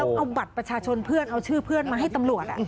เอาบัตรประชาชนเพื่อนเอาชื่อเพื่อนมาให้ตำรวจ